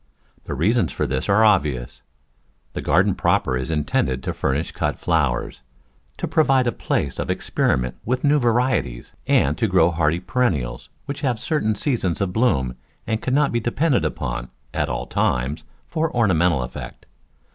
The reasons for this are obvious. The garden proper 3 Digitized by Google 4 TAe Flower Garden [Chapter is intended to furnish cut flowers, to provide a place of experiment with new varieties, and to grow hardy perennials which have certain seasons of bloom and cannot be depended upon, at all times, for orna mental effect.